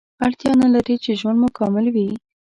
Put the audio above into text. اړتیا نلري چې ژوند مو کامل وي